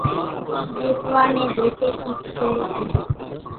ۮيتوا ني ڌوڪي ٿي پکيڙي سي۔